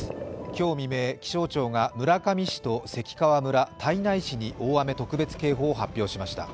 今日未明、気象庁が村上市と関川村、胎内市に大雨特別警報を発表しました。